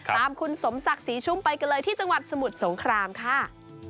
ตามคุณสมศักดิ์ศรีชุ่มไปกันเลยที่จังหวัดสมุทรสงครามค่ะ